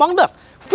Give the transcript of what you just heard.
ini tidak baik